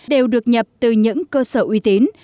đều được nhập từ những cơ sở uy tín